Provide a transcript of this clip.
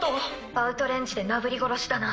アウトレンジでなぶり殺しだな。